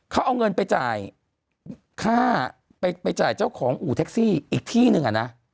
เขาเอาเงินไปจ่ายค่าไปจ่ายเจ้าของอู่แท็กซี่อีกที่หนึ่งอ่ะนะ